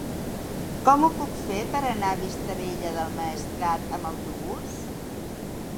Com ho puc fer per anar a Vistabella del Maestrat amb autobús?